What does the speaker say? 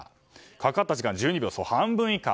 かかった時間１２秒、半分以下。